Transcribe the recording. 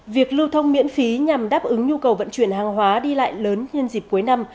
việc lưu thông miễn phí nhằm đáp ứng nhu cầu vận chuyển hàng hóa đi lại lớn nhân dịp cuối năm